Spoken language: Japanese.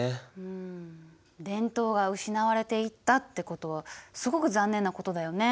伝統が失われていったってことはすごく残念なことだよね。